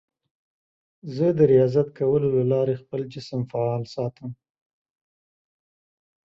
زه د ریاضت کولو له لارې خپل جسم فعال ساتم.